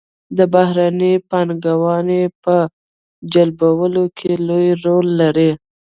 د بهرنۍ پانګونې په جلبولو کې لوی رول لري.